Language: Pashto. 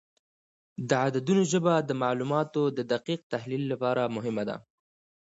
د عددونو ژبه د معلوماتو د دقیق تحلیل لپاره مهمه ده.